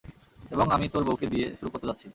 এবং আমি তোর বউকে দিয়ে, শুরু করতে যাচ্ছি!